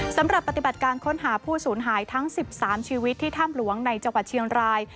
สำหรับปฏิบัติการค้นหาผู้สูญหายทั้ง๑๓ชีวิตที่ถ้ำหลวงในจังหวัดเชียงราย